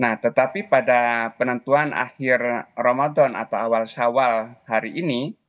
nah tetapi pada penentuan akhir ramadan atau awal syawal hari ini